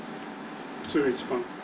それが一番。